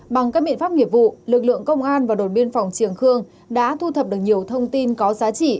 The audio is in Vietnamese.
bằng các biện pháp nghiệp vụ lực lượng công an và đồn biên phòng triềng khương đã thu thập được nhiều thông tin có giá trị